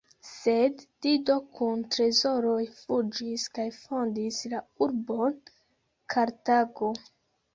Sed Dido kun trezoroj fuĝis kaj fondis la urbon Kartago.